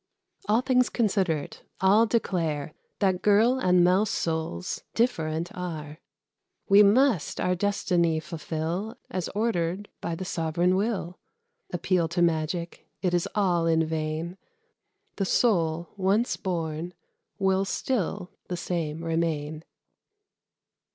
All things considered, I'll declare That girl and mouse souls different are. We must our destiny fulfil, As ordered by the sovereign will. Appeal to magic, it is all in vain; The soul, once born, will still the same remain.